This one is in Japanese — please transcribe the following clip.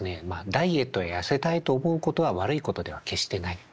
ダイエットや痩せたいと思うことは悪いことでは決してない。